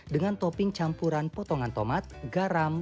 dengan topping campuran potongan tomat garam